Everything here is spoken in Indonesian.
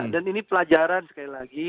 dan ini pelajaran sekali lagi